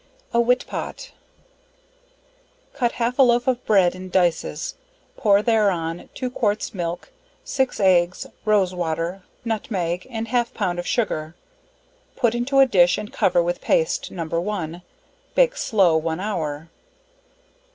A Whitpot. Cut half a loaf of bread in dices, pour thereon 2 quarts milk, 6 eggs, rose water, nutmeg and half pound of sugar; put into a dish and cover with paste, No. 1. bake slow 1 hour.